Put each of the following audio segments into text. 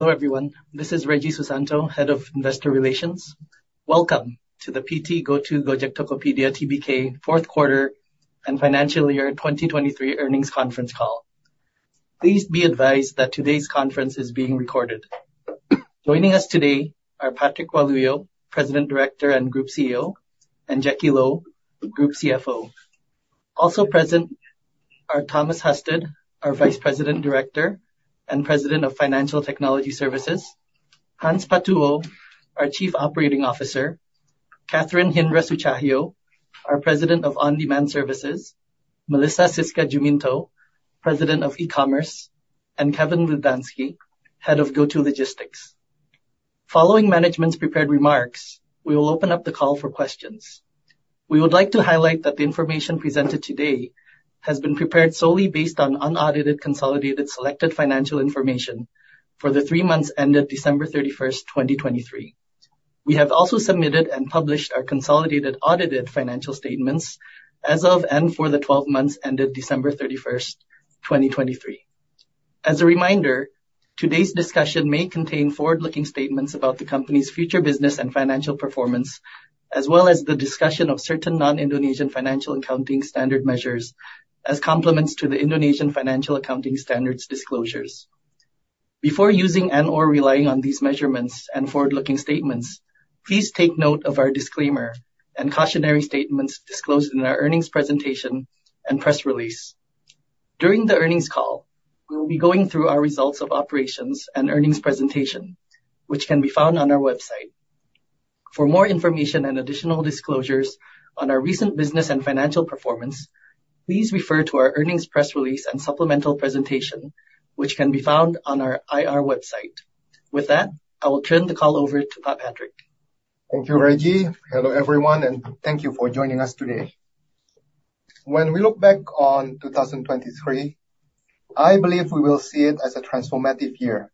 Hello, everyone. This is Reggie Susanto, Head of Investor Relations. Welcome to the PT GoTo Gojek Tokopedia Tbk Q4 and financial year 2023 earnings conference call. Please be advised that today's conference is being recorded. Joining us today are Patrick Waluyo, President Director and Group CEO, and Jacky Lo, the Group CFO. Also present are Thomas Husted, our Vice President Director and President of Financial Technology Services, Hans Patuwo, our Chief Operating Officer, Catherine Hindra Sutjahjo, our President of On-Demand Services, Melissa Siska Juminto, President of E-commerce, and Kevin Widlansky, Head of GoTo Logistics. Following management's prepared remarks, we will open up the call for questions. We would like to highlight that the information presented today has been prepared solely based on unaudited, consolidated, selected financial information for the three months ended December 31st, 2023. We have also submitted and published our consolidated audited financial statements as of and for the 12 months ended December 31, 2023. As a reminder, today's discussion may contain forward-looking statements about the company's future business and financial performance, as well as the discussion of certain non-Indonesian financial accounting standard measures as complements to the Indonesian Financial Accounting Standards disclosures. Before using and/or relying on these measurements and forward-looking statements, please take note of our disclaimer and cautionary statements disclosed in our earnings presentation and press release. During the earnings call, we will be going through our results of operations and earnings presentation, which can be found on our website. For more information and additional disclosures on our recent business and financial performance, please refer to our earnings press release and supplemental presentation, which can be found on our IR website. With that, I will turn the call over to Pat Patrick. Thank you, Reggie. Hello, everyone, and thank you for joining us today. When we look back on 2023, I believe we will see it as a transformative year,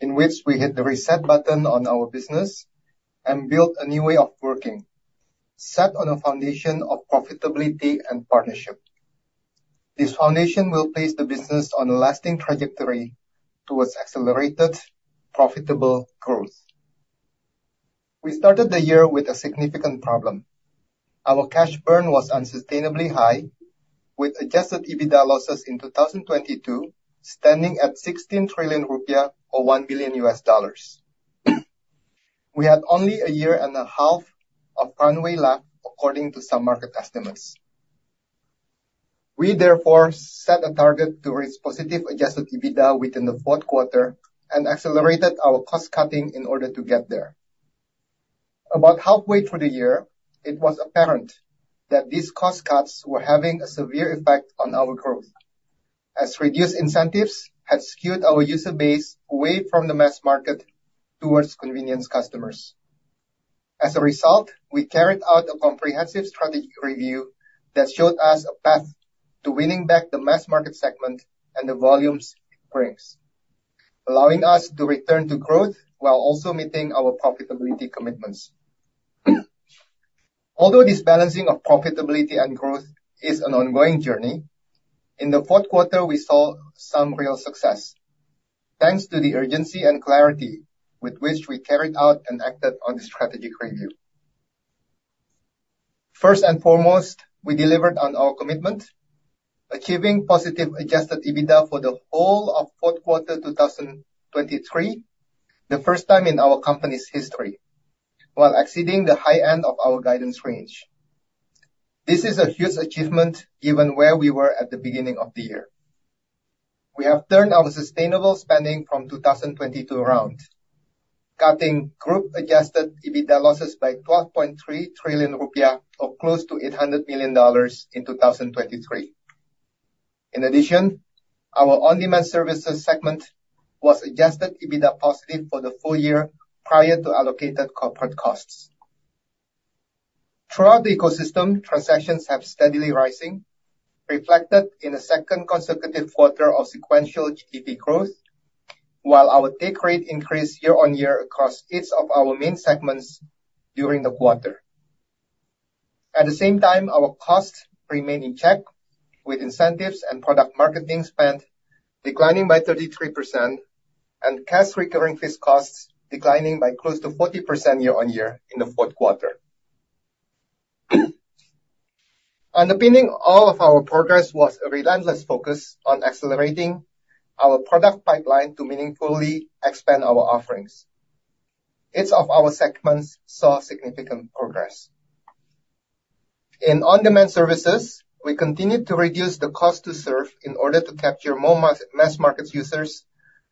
in which we hit the reset button on our business and built a new way of working, set on a foundation of profitability and partnership. This foundation will place the business on a lasting trajectory towards accelerated, profitable growth. We started the year with a significant problem. Our cash burn was unsustainably high, with Adjusted EBITDA losses in 2022, standing at 16 trillion rupiah, or $1 billion. We had only a year and a half of runway left, according to some market estimates. We therefore set a target to reach positive Adjusted EBITDA within the fourth quarter and accelerated our cost cutting in order to get there. About halfway through the year, it was apparent that these cost cuts were having a severe effect on our growth, as reduced incentives had skewed our user base away from the mass market towards convenience customers. As a result, we carried out a comprehensive strategy review that showed us a path to winning back the mass market segment and the volumes it brings, allowing us to return to growth while also meeting our profitability commitments. Although this balancing of profitability and growth is an ongoing journey, in the Q4, we saw some real success, thanks to the urgency and clarity with which we carried out and acted on the strategic review. First and foremost, we delivered on our commitment, achieving positive Adjusted EBITDA for the whole of fourth quarter 2023, the first time in our company's history, while exceeding the high end of our guidance range. This is a huge achievement, given where we were at the beginning of the year. We have turned our sustainable spending from 2022 around, cutting group-adjusted EBITDA losses by 12.3 trillion rupiah, or close to $800 million in 2023. In addition, our on-demand services segment was adjusted EBITDA positive for the full year, prior to allocated corporate costs. Throughout the ecosystem, transactions have steadily rising, reflected in a second consecutive quarter of sequential GTV growth, while our take rate increased year-on-year across each of our main segments during the quarter. At the same time, our costs remain in check, with incentives and product marketing spend declining by 33%, and cash recurring fixed costs declining by close to 40% year-on-year in the Q4. Underpinning all of our progress was a relentless focus on accelerating our product pipeline to meaningfully expand our offerings. Each of our segments saw significant progress. In On-Demand Services, we continued to reduce the cost to serve in order to capture more mass market users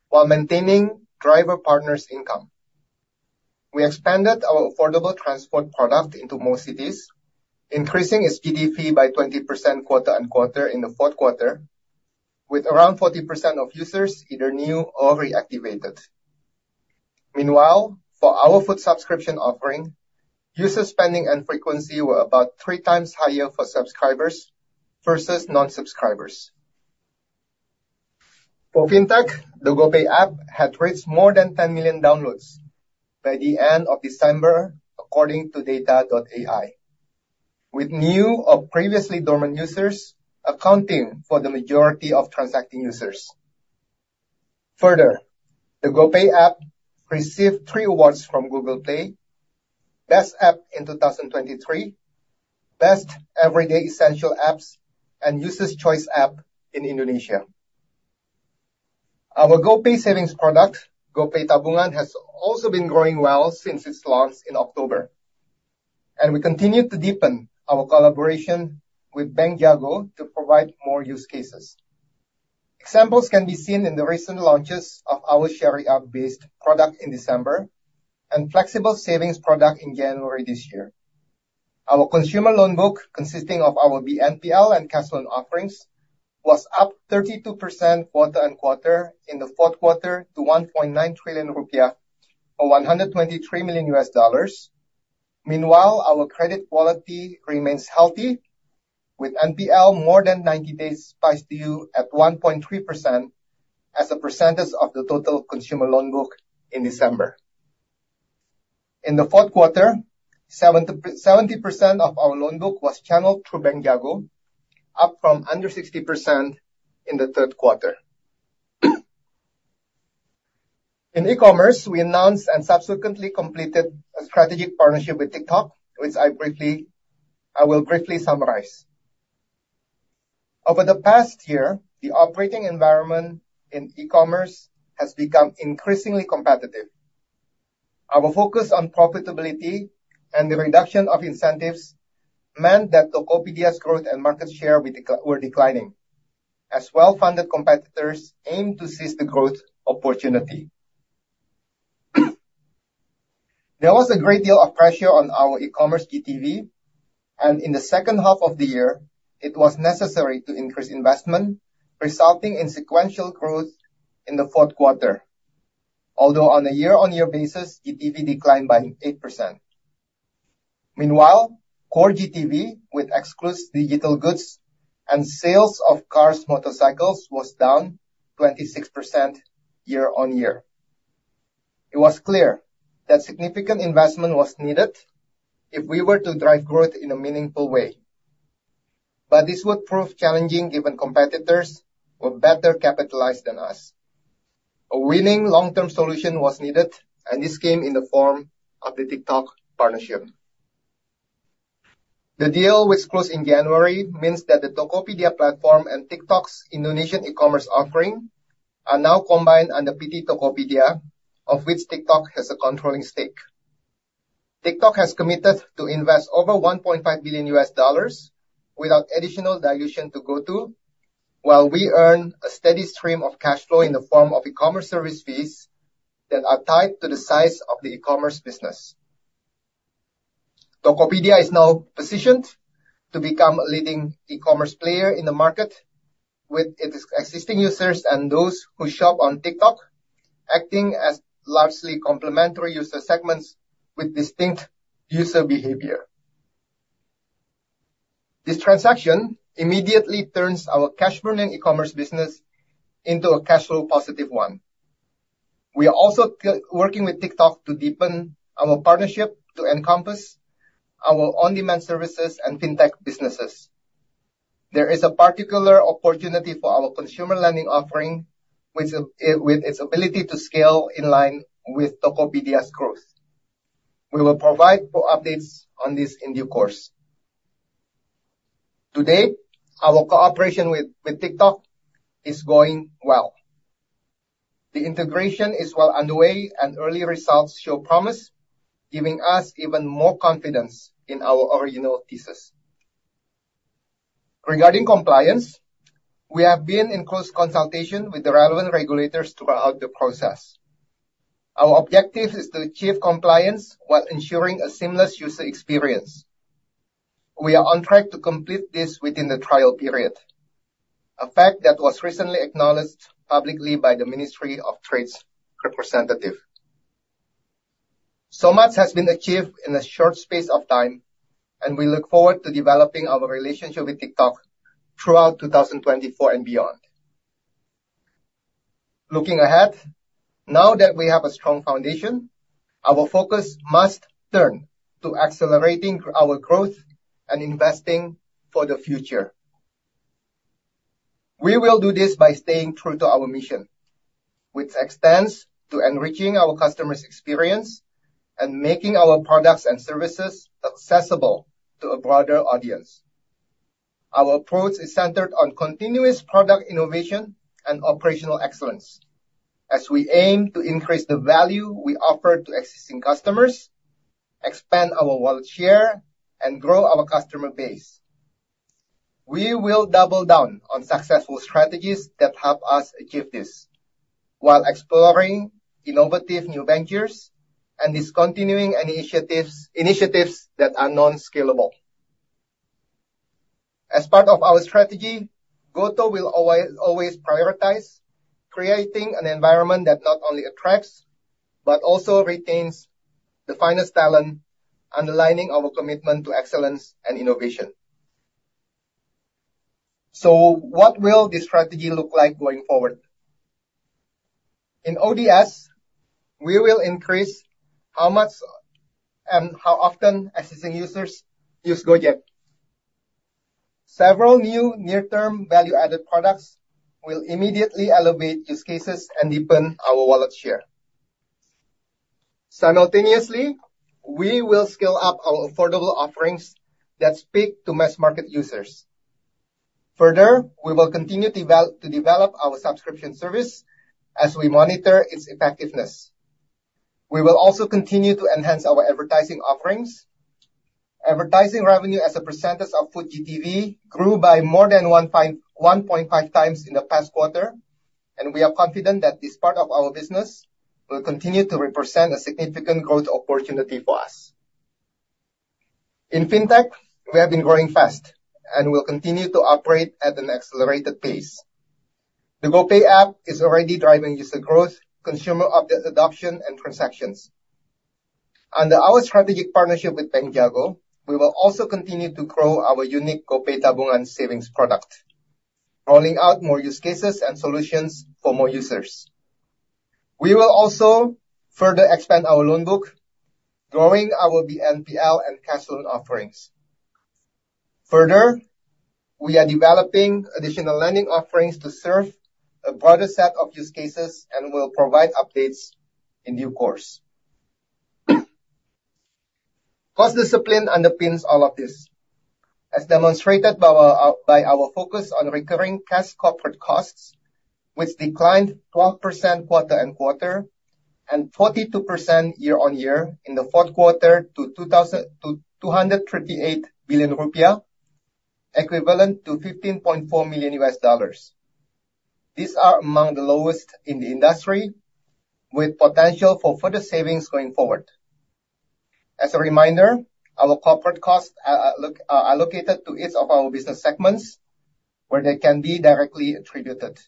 while maintaining driver partners' income. We expanded our affordable transport product into more cities, increasing its GTV by 20% quarter-on-quarter in the fourth quarter, with around 40% of users either new or reactivated. Meanwhile, for our food subscription offering, user spending and frequency were about 3 times higher for subscribers versus non-subscribers. For Fintech, the GoPay app had reached more than 10 million downloads by the end of December, according to data.ai, with new or previously dormant users accounting for the majority of transacting users. Further, the GoPay app received three awards from Google Play, Best App in 2023, Best Everyday Essential Apps, and Users Choice App in Indonesia. Our GoPay savings product, GoPay Tabungan, has also been growing well since its launch in October, and we continue to deepen our collaboration with Bank Jago to provide more use cases. Examples can be seen in the recent launches of our sharing app-based product in December and flexible savings product in January this year. Our consumer loan book, consisting of our BNPL and cash loan offerings, was up 32% quarter-on-quarter in the fourth quarter to 1.9 trillion rupiah, or $123 million. Meanwhile, our credit quality remains healthy, with NPL more than 90 days past due at 1.3% as a percentage of the total consumer loan book in December. In the Q4, 70% of our loan book was channeled through Bank Jago, up from under 60% in the Q3. In e-commerce, we announced and subsequently completed a strategic partnership with TikTok, which I will briefly summarize. Over the past year, the operating environment in e-commerce has become increasingly competitive. Our focus on profitability and the reduction of incentives meant that Tokopedia's growth and market share were declining, as well-funded competitors aimed to seize the growth opportunity. There was a great deal of pressure on our e-commerce GTV, and in the second half of the year, it was necessary to increase investment, resulting in sequential growth in the Q4. Although on a year-on-year basis, GTV declined by 8%. Meanwhile, core GTV, which excludes digital goods and sales of cars, motorcycles, was down 26% year-on-year. It was clear that significant investment was needed if we were to drive growth in a meaningful way, but this would prove challenging, given competitors were better capitalized than us. A winning long-term solution was needed, and this came in the form of the TikTok partnership. The deal, which closed in January, means that the Tokopedia platform and TikTok's Indonesian e-commerce offering are now combined under PT Tokopedia, of which TikTok has a controlling stake. TikTok has committed to invest over $1.5 billion without additional dilution to GoTo, while we earn a steady stream of cash flow in the form of e-commerce service fees that are tied to the size of the e-commerce business. Tokopedia is now positioned to become a leading e-commerce player in the market, with its existing users and those who shop on TikTok acting as largely complementary user segments with distinct user behavior. This transaction immediately turns our cash-burning e-commerce business into a cash flow positive one. We are also working with TikTok to deepen our partnership to encompass our on-demand services and fintech businesses. There is a particular opportunity for our consumer lending offering, which, with its ability to scale in line with Tokopedia's growth. We will provide more updates on this in due course. To date, our cooperation with TikTok is going well. The integration is well underway, and early results show promise, giving us even more confidence in our original thesis. Regarding compliance, we have been in close consultation with the relevant regulators throughout the process. Our objective is to achieve compliance while ensuring a seamless user experience. We are on track to complete this within the trial period, a fact that was recently acknowledged publicly by the Ministry of Trade representative. So much has been achieved in a short space of time, and we look forward to developing our relationship with TikTok throughout 2024 and beyond. Looking ahead, now that we have a strong foundation, our focus must turn to accelerating our growth and investing for the future. We will do this by staying true to our mission, which extends to enriching our customers' experience and making our products and services accessible to a broader audience. Our approach is centered on continuous product innovation and operational excellence as we aim to increase the value we offer to existing customers, expand our wallet share, and grow our customer base. We will double down on successful strategies that help us achieve this, while exploring innovative new ventures and discontinuing initiatives that are non-scalable. As part of our strategy, GoTo will always, always prioritize creating an environment that not only attracts, but also retains the finest talent, underlining our commitment to excellence and innovation... So what will this strategy look like going forward? In ODS, we will increase how much and how often existing users use Gojek. Several new near-term value-added products will immediately elevate use cases and deepen our wallet share. Simultaneously, we will scale up our affordable offerings that speak to mass market users. Further, we will continue to develop our subscription service as we monitor its effectiveness. We will also continue to enhance our advertising offerings. Advertising revenue as a percentage of food GTV grew by more than 1.5 times in the past quarter, and we are confident that this part of our business will continue to represent a significant growth opportunity for us. In Fintech, we have been growing fast and will continue to operate at an accelerated pace. The GoPay app is already driving user growth, consumer update adoption, and transactions. Under our strategic partnership with Bank Jago, we will also continue to grow our unique GoPay Tabungan savings product, rolling out more use cases and solutions for more users. We will also further expand our loan book, growing our BNPL and cash loan offerings. Further, we are developing additional lending offerings to serve a broader set of use cases and will provide updates in due course. Cost discipline underpins all of this, as demonstrated by our focus on recurring cash Corporate Costs, which declined 12% quarter-on-quarter and 42% year-on-year in the fourth quarter to 238 billion rupiah, equivalent to $15.4 million. These are among the lowest in the industry, with potential for further savings going forward. As a reminder, our Corporate Costs are allocated to each of our business segments, where they can be directly attributed.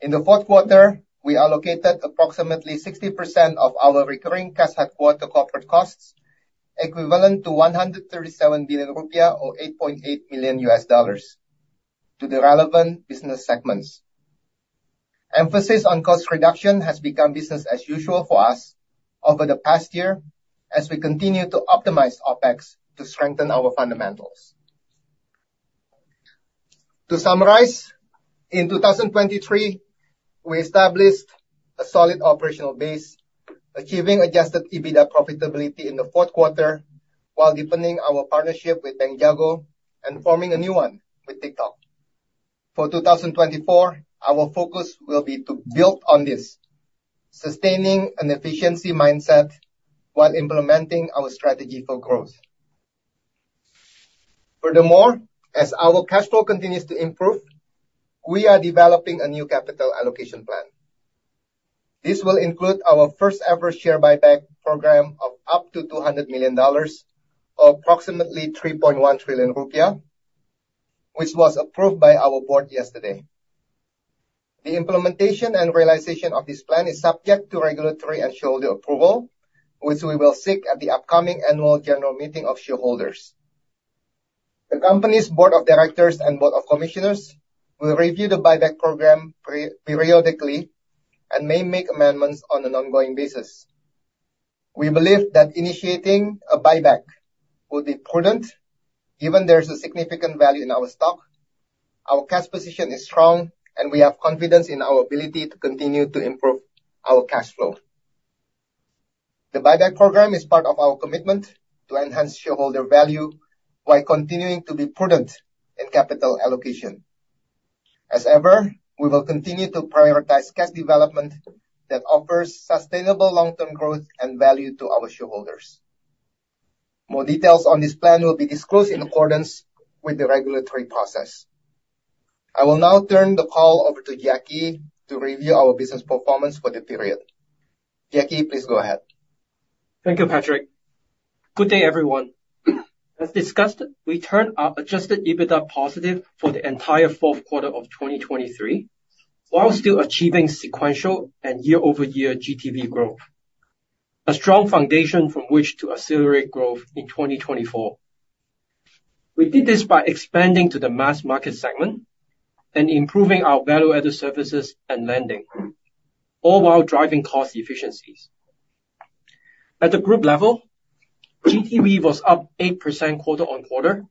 In the Q4, we allocated approximately 60% of our recurring cash headquarters Corporate Costs, equivalent to 137 billion rupiah or $8.8 million to the relevant business segments. Emphasis on cost reduction has become business as usual for us over the past year as we continue to optimize OpEx to strengthen our fundamentals. To summarize, in 2023, we established a solid operational base, achieving adjusted EBITDA profitability in the Q4, while deepening our partnership with Bank Jago and forming a new one with TikTok. For 2024, our focus will be to build on this, sustaining an efficiency mindset while implementing our strategy for growth. Furthermore, as our cash flow continues to improve, we are developing a new capital allocation plan. This will include our first-ever share buyback program of up to $200 million, or approximately 3.1 trillion rupiah, which was approved by our board yesterday. The implementation and realization of this plan is subject to regulatory and shareholder approval, which we will seek at the upcoming annual general meeting of shareholders. The company's board of directors and board of commissioners will review the buyback program periodically and may make amendments on an ongoing basis. We believe that initiating a buyback will be prudent, given there's a significant value in our stock, our cash position is strong, and we have confidence in our ability to continue to improve our cash flow. The buyback program is part of our commitment to enhance shareholder value while continuing to be prudent in capital allocation. As ever, we will continue to prioritize cash development that offers sustainable long-term growth and value to our shareholders. More details on this plan will be disclosed in accordance with the regulatory process. I will now turn the call over to Jacky to review our business performance for the period. Jacky, please go ahead. Thank you, Patrick. Good day, everyone. As discussed, we turned our Adjusted EBITDA positive for the entire Q4 of 2023, while still achieving sequential and year-over-year GTV growth, a strong foundation from which to accelerate growth in 2024. We did this by expanding to the mass market segment and improving our value-added services and lending, all while driving cost efficiencies. At the group level, GTV was up 8% quarter-on-quarter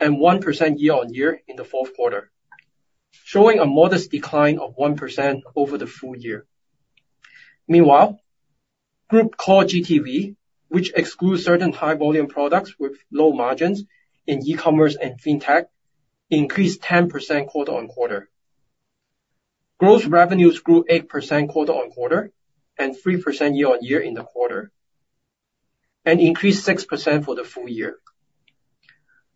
and 1% year-over-year in the Q4, showing a modest decline of 1% over the full year. Meanwhile, group core GTV, which excludes certain high-volume products with low margins in e-commerce and fintech, increased 10% quarter-on-quarter. Gross revenues grew 8% quarter-on-quarter and 3% year-over-year in the quarter, and increased 6% for the full year.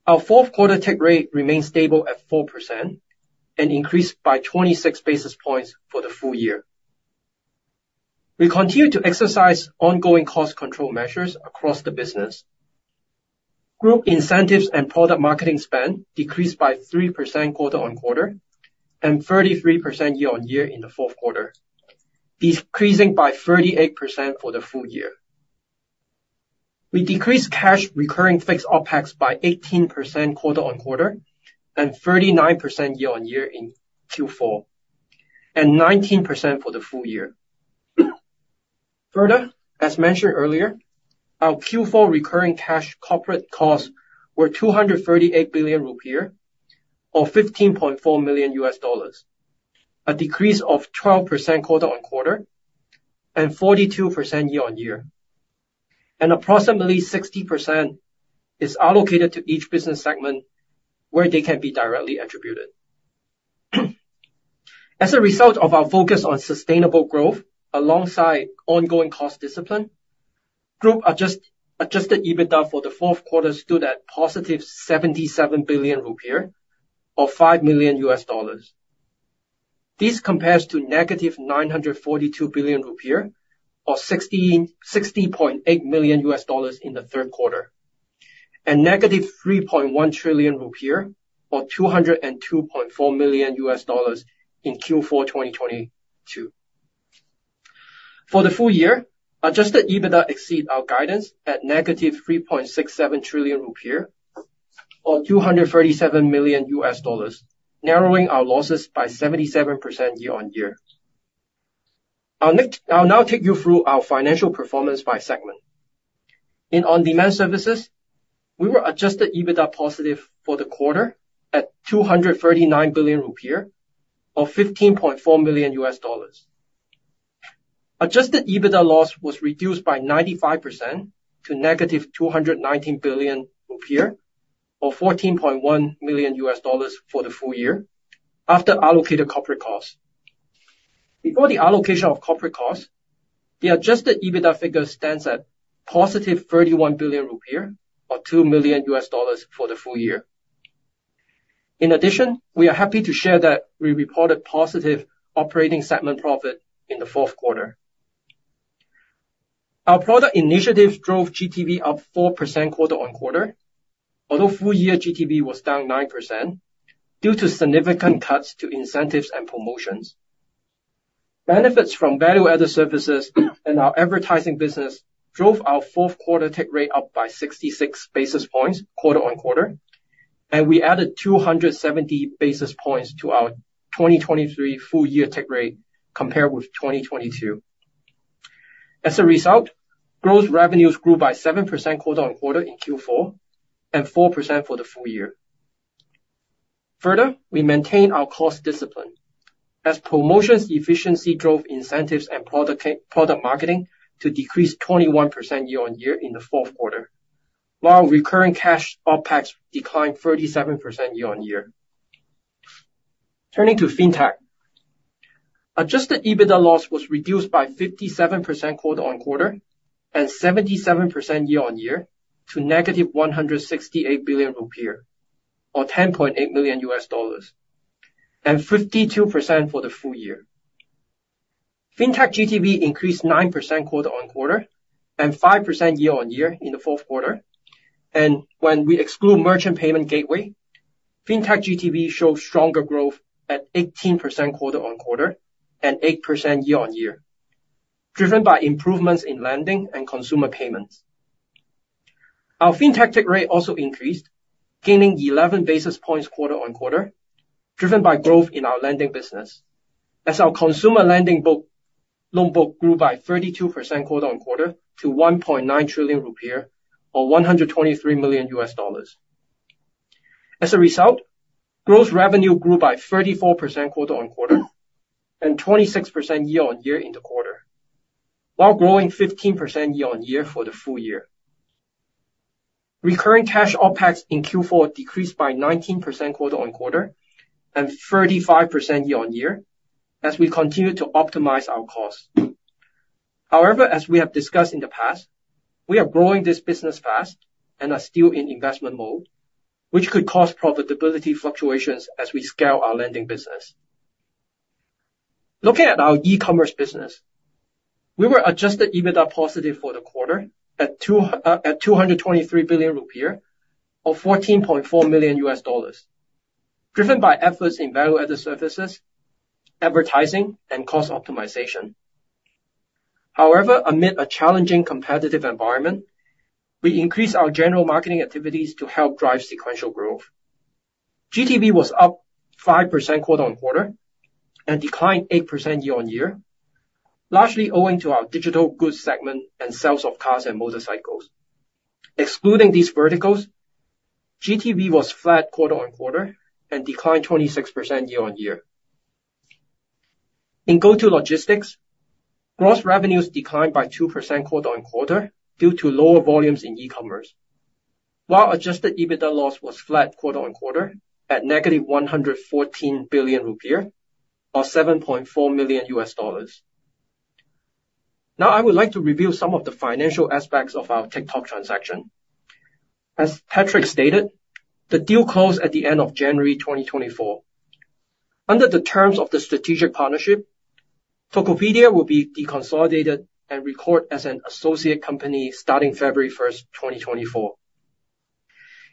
Our Q4 take rate remained stable at 4% and increased by 26 basis points for the full year. We continue to exercise ongoing cost control measures across the business. Group incentives and product marketing spend decreased by 3% quarter-on-quarter and 33% year-on-year in the fourth quarter, decreasing by 38% for the full year. We decreased cash recurring fixed OpEx by 18% quarter-on-quarter, and 39% year-on-year in Q4, and 19% for the full year. Further, as mentioned earlier, our Q4 recurring cash corporate costs were IDR 238 billion, or $15.4 million, a decrease of 12% quarter-on-quarter, and 42% year-on-year, and approximately 60% is allocated to each business segment where they can be directly attributed. As a result of our focus on sustainable growth alongside ongoing cost discipline, group adjusted EBITDA for the fourth quarter stood at +77 billion rupiah, or $5 million. This compares to -942 billion rupiah, or $60.8 million in the third quarter, and -3.1 trillion rupiah, or $202.4 million in Q4 2022. For the full year, adjusted EBITDA exceed our guidance at -3.67 trillion rupiah, or $237 million, narrowing our losses by 77% year-on-year. I'll now take you through our financial performance by segment. In on-demand services, we were adjusted EBITDA positive for the quarter at 239 billion rupiah, or $15.4 million. Adjusted EBITDA loss was reduced by 95% to -219 billion rupiah, or $14.1 million for the full year after allocated corporate costs. Before the allocation of corporate costs, the adjusted EBITDA figure stands at +31 billion rupiah, or $2 million for the full year. In addition, we are happy to share that we reported positive operating segment profit in the Q4. Our product initiatives drove GTV up 4% quarter-on-quarter, although full year GTV was down 9% due to significant cuts to incentives and promotions. Benefits from value-added services and our advertising business drove our Q4 take rate up by 66 basis points quarter-on-quarter, and we added 270 basis points to our 2023 full year take rate compared with 2022. As a result, growth revenues grew by 7% quarter-on-quarter in Q4 and 4% for the full year. Further, we maintained our cost discipline, as promotions efficiency drove incentives and product marketing to decrease 21% year-on-year in the Q4, while recurring cash OpEx declined 37% year-on-year. Turning to Fintech. Adjusted EBITDA loss was reduced by 57% quarter-on-quarter and 77% year-on-year to -168 billion rupiah, or $10.8 million, and 52% for the full year. Fintech GTV increased 9% quarter-on-quarter and 5% year-on-year in the Q4. When we exclude merchant payment gateway, Fintech GTV shows stronger growth at 18% quarter-on-quarter and 8% year-on-year, driven by improvements in lending and consumer payments. Our Fintech take rate also increased, gaining 11 basis points quarter-on-quarter, driven by growth in our lending business, as our consumer lending book, loan book grew by 32% quarter-on-quarter to 1.9 trillion rupiah, or $123 million. As a result, gross revenue grew by 34% quarter-on-quarter, and 26% year-on-year in the quarter, while growing 15% year-on-year for the full year. Recurring cash OpEx in Q4 decreased by 19% quarter-on-quarter and 35% year-on-year as we continued to optimize our costs. However, as we have discussed in the past, we are growing this business fast and are still in investment mode, which could cause profitability fluctuations as we scale our lending business. Looking at our e-commerce business, we were Adjusted EBITDA positive for the quarter at 223 billion rupiah, or $14.4 million, driven by efforts in value-added services, advertising, and cost optimization. However, amid a challenging competitive environment, we increased our general marketing activities to help drive sequential growth. GTV was up 5% quarter-on-quarter and declined 8% year-on-year, largely owing to our digital goods segment and sales of cars and motorcycles. Excluding these verticals, GTV was flat quarter-on-quarter and declined 26% year-on-year. In GoTo Logistics, gross revenues declined by 2% quarter-on-quarter due to lower volumes in e-commerce, while Adjusted EBITDA loss was flat quarter-on-quarter at -114 billion rupiah, or $7.4 million. Now, I would like to review some of the financial aspects of our TikTok transaction. As Patrick stated, the deal closed at the end of January 2024. Under the terms of the strategic partnership, Tokopedia will be deconsolidated and record as an associate company starting February first, 2024.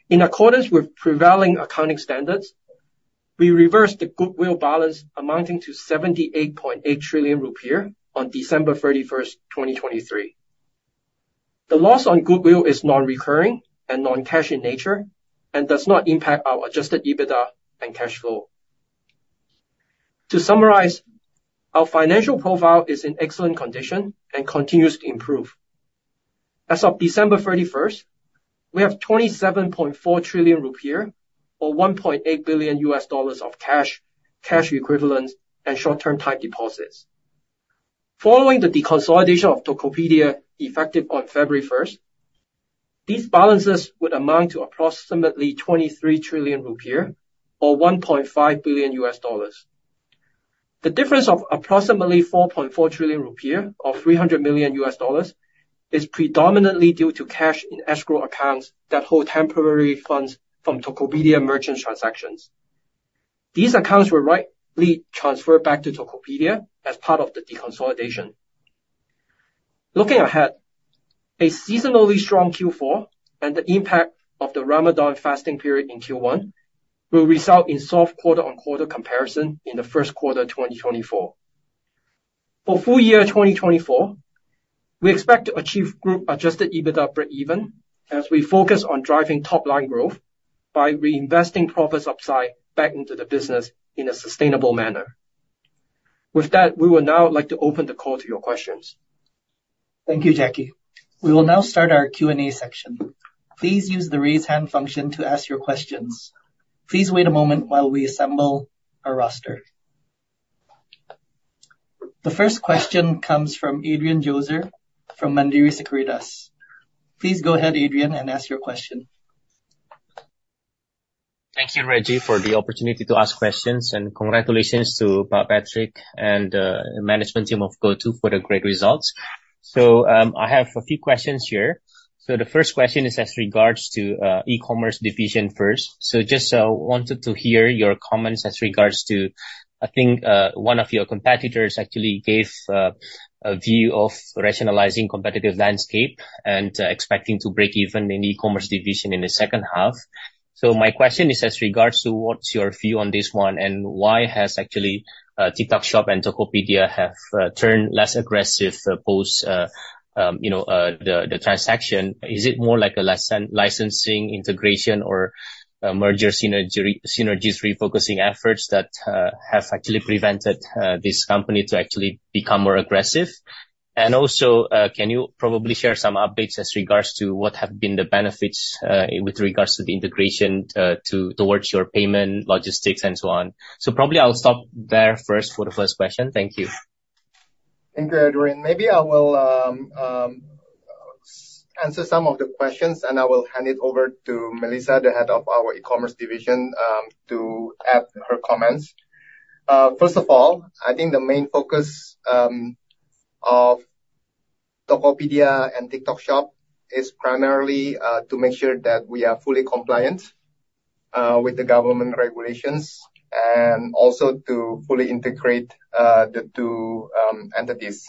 In accordance with prevailing accounting standards, we reversed the goodwill balance amounting to 78.8 trillion rupiah on December thirty-first, 2023. The loss on goodwill is non-recurring and non-cash in nature, and does not impact our Adjusted EBITDA and cash flow. To summarize, our financial profile is in excellent condition and continues to improve. As of December thirty-first, we have 27.4 trillion rupiah or $1.8 billion of cash, cash equivalents, and short-term time deposits. Following the deconsolidation of Tokopedia, effective on February first, these balances would amount to approximately 23 trillion rupiah or $1.5 billion. The difference of approximately 4.4 trillion rupiah or $300 million, is predominantly due to cash in escrow accounts that hold temporary funds from Tokopedia merchant transactions. These accounts were rightly transferred back to Tokopedia as part of the deconsolidation. Looking ahead, a seasonally strong Q4 and the impact of the Ramadan fasting period in Q1, will result in soft quarter-on-quarter comparison in the first quarter 2024. For full year 2024, we expect to achieve group Adjusted EBITDA breakeven, as we focus on driving top line growth by reinvesting profits upside back into the business in a sustainable manner. With that, we would now like to open the call to your questions. Thank you, Jacky. We will now start our Q&A section. Please use the Raise Hand function to ask your questions. Please wait a moment while we assemble a roster. The first question comes from Adrian Joezer from Mandiri Sekuritas. Please go ahead, Adrian, and ask your question. Thank you, Reggie, for the opportunity to ask questions, and congratulations to Patrick and management team of GoTo for the great results. So, I have a few questions here. So the first question is as regards to e-commerce division first. So just wanted to hear your comments as regards to, I think, one of your competitors actually gave a view of rationalizing competitive landscape and expecting to break even in e-commerce division in the second half. So my question is as regards to what's your view on this one, and why has actually TikTok Shop and Tokopedia have turned less aggressive post you know the transaction? Is it more like a licensing integration or merger synergy, synergies, refocusing efforts that have actually prevented this company to actually become more aggressive? Also, can you probably share some updates as regards to what have been the benefits, with regards to the integration, towards your payment, logistics, and so on? So probably I'll stop there first for the first question. Thank you. Thank you, Adrian. Maybe I will answer some of the questions, and I will hand it over to Melissa, the head of our e-commerce division, to add her comments. First of all, I think the main focus of Tokopedia and TikTok Shop is primarily to make sure that we are fully compliant with the government regulations, and also to fully integrate the two entities.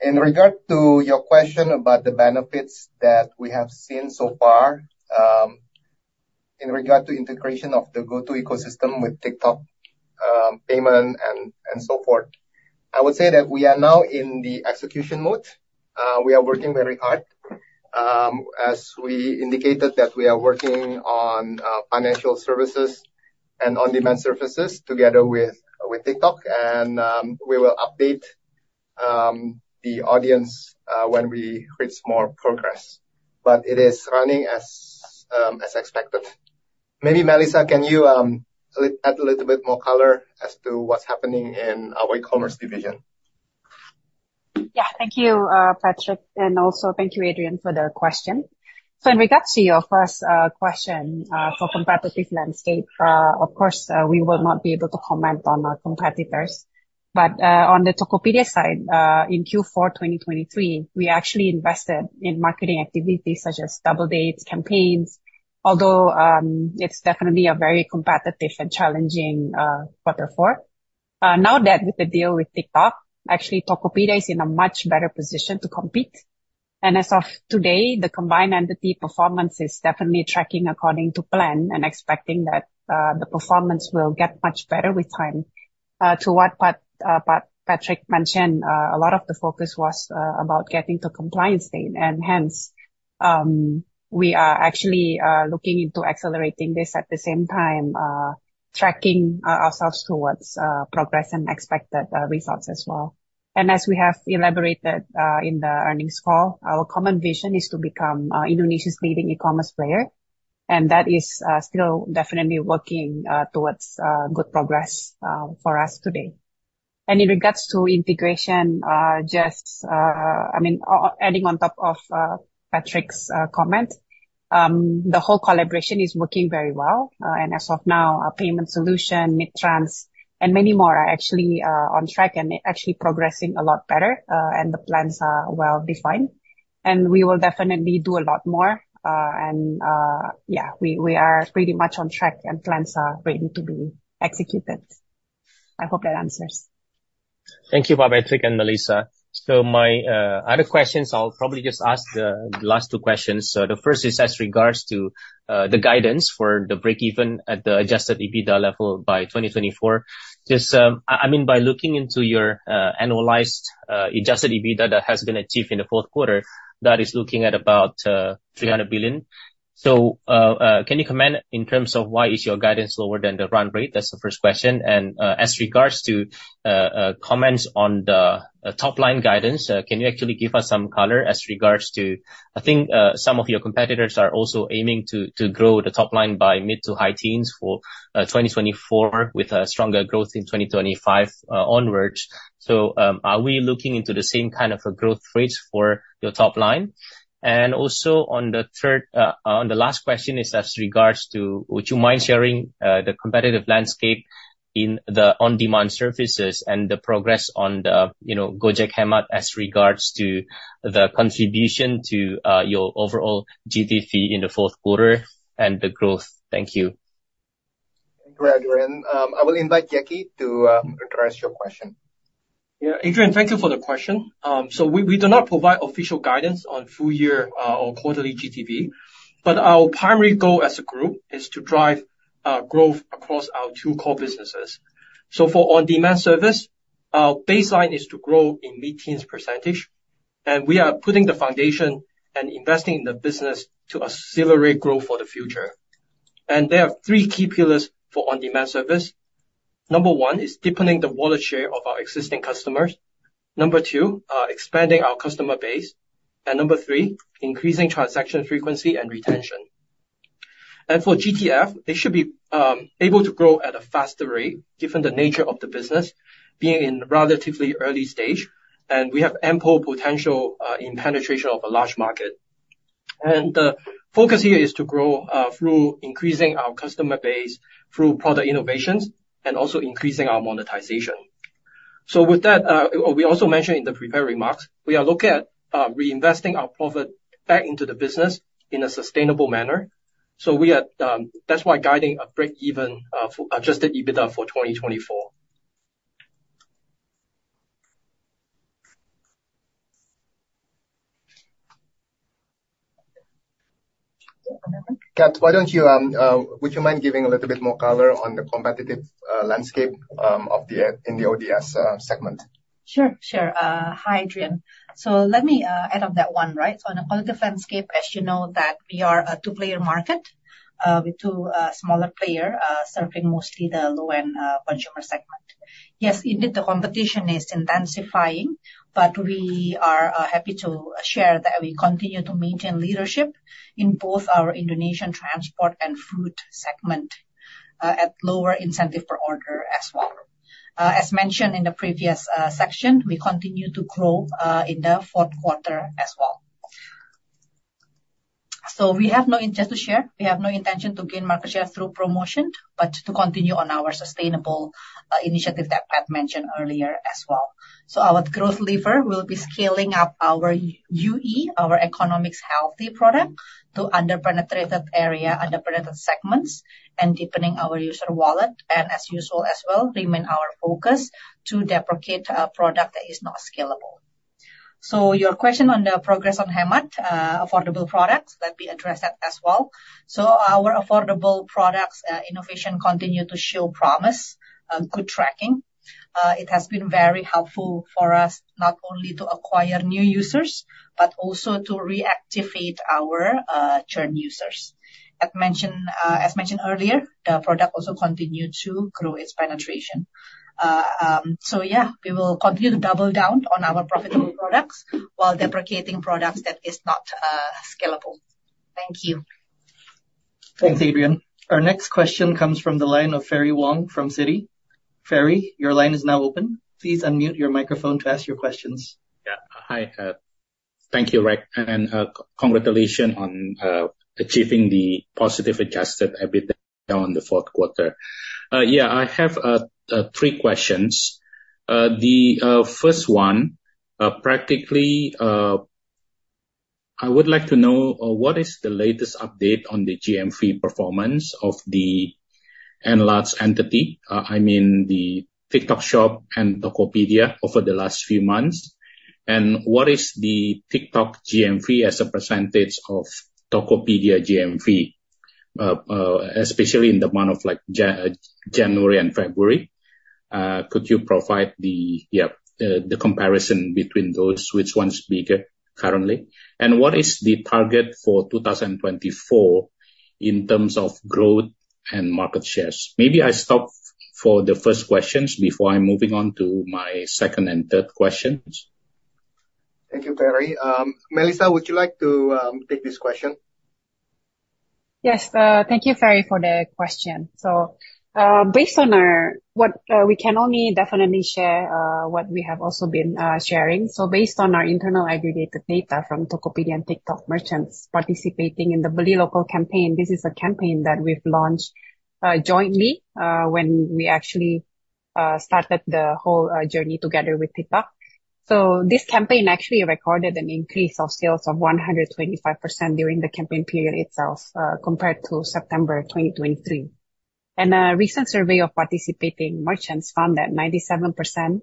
In regard to your question about the benefits that we have seen so far, in regard to integration of the GoTo ecosystem with TikTok, payment and, and so forth, I would say that we are now in the execution mode. We are working very hard. As we indicated, that we are working on financial services and on-demand services together with TikTok, and we will update the audience when we reach more progress. But it is running as expected. Maybe, Melissa, can you add a little bit more color as to what's happening in our e-commerce division? Yeah. Thank you, Patrick, and also thank you, Adrian, for the question. So in regards to your first question, for competitive landscape, of course, we will not be able to comment on our competitors. But on the Tokopedia side, in Q4 2023, we actually invested in marketing activities such as double dates, campaigns, although it's definitely a very competitive and challenging quarter four. Now that with the deal with TikTok, actually, Tokopedia is in a much better position to compete. And as of today, the combined entity performance is definitely tracking according to plan and expecting that the performance will get much better with time. To what Pat, Patrick mentioned, a lot of the focus was about getting to compliance state, and hence, we are actually looking into accelerating this, at the same time, tracking ourselves towards progress and expected results as well. And as we have elaborated in the earnings call, our common vision is to become Indonesia's leading e-commerce player, and that is still definitely working towards good progress for us today. And in regards to integration, just... I mean, adding on top of Patrick's comment, the whole collaboration is working very well. And as of now, our payment solution, Midtrans, and many more are actually on track and actually progressing a lot better, and the plans are well-defined. And we will definitely do a lot more, and yeah, we are pretty much on track, and plans are ready to be executed. I hope that answers. Thank you, Patrick and Melissa. So my other questions, I'll probably just ask the last two questions. So the first is as regards to the guidance for the break even at the Adjusted EBITDA level by 2024. Just, I mean, by looking into your annualized Adjusted EBITDA that has been achieved in the fourth quarter, that is looking at about 300 billion. So can you comment in terms of why is your guidance lower than the run rate? That's the first question. And as regards to comments on the top line guidance, can you actually give us some color as regards to... I think, some of your competitors are also aiming to grow the top line by mid to high teens for 2024, with a stronger growth in 2025 onwards. So, are we looking into the same kind of a growth rates for your top line? And also, on the third, on the last question is as regards to, would you mind sharing, the competitive landscape in the on-demand services and the progress on the, you know, Gojek Hemat as regards to the contribution to, your overall GTV fee in the fourth quarter and the growth? Thank you. Thank you, Adrian. I will invite Jacky to address your question. Yeah, Adrian, thank you for the question. We do not provide official guidance on full year or quarterly GTV, but our primary goal as a group is to drive growth across our two core businesses. For on-demand service, our baseline is to grow in mid-teens %, and we are putting the foundation and investing in the business to accelerate growth for the future. There are three key pillars for on-demand service. Number one is deepening the wallet share of our existing customers. Number two, expanding our customer base. Number three, increasing transaction frequency and retention. For GTV, they should be able to grow at a faster rate, given the nature of the business being in relatively early stage, and we have ample potential in penetration of a large market. The focus here is to grow through increasing our customer base through product innovations, and also increasing our monetization. So with that, we also mentioned in the prepared remarks, we are looking at reinvesting our profit back into the business in a sustainable manner. So we are... That's why guiding a breakeven for Adjusted EBITDA for 2024. Kat, would you mind giving a little bit more color on the competitive landscape in the ODS segment? Sure, sure. Hi, Adrian. So let me add on that one, right? So on a competitive landscape, as you know, that we are a two-player market with two smaller player serving mostly the low-end consumer segment. Yes, indeed, the competition is intensifying, but we are happy to share that we continue to maintain leadership in both our Indonesian transport and food segment at lower incentive per order as well. As mentioned in the previous section, we continue to grow in the fourth quarter as well. So we have no intention to share, we have no intention to gain market share through promotion, but to continue on our sustainable initiative that Pat mentioned earlier as well. So our growth lever will be scaling up our UE, our economics healthy product, to under-penetrated area, under-penetrated segments, and deepening our user wallet, and as usual, as well, remain our focus to deprecate a product that is not scalable. So your question on the progress on Hemat, affordable products, let me address that as well. So our affordable products, innovation continue to show promise, good tracking. It has been very helpful for us not only to acquire new users, but also to reactivate our, churn users. As mentioned, as mentioned earlier, the product also continued to grow its penetration. So yeah, we will continue to double down on our profitable products while deprecating products that is not, scalable. Thank you. Thanks, Adrian. Our next question comes from the line of Ferry Wong from Citi. Ferry, your line is now open. Please unmute your microphone to ask your questions. Yeah. Hi, thank you, Rick, and congratulations on achieving the positive Adjusted EBITDA on the Q4. Yeah, I have three questions. The first one, practically, I would like to know what is the latest update on the GMV performance of the integrated entity, I mean, the TikTok Shop and Tokopedia over the last few months? And what is the TikTok GMV as a percentage of Tokopedia GMV, especially in the month of like, January and February? Could you provide the comparison between those, which one is bigger currently? And what is the target for 2024 in terms of growth and market shares? Maybe I stop for the first questions before I'm moving on to my second and third questions. Thank you, Ferry. Melissa, would you like to take this question? Yes. Thank you, Ferry, for the question. So, based on our, what we can only definitely share, what we have also been sharing. So based on our internal aggregated data from Tokopedia and TikTok merchants participating in the Beli Lokal campaign, this is a campaign that we've launched jointly, when we actually started the whole journey together with TikTok. So this campaign actually recorded an increase of sales of 125% during the campaign period itself, compared to September 2023. And a recent survey of participating merchants found that 97%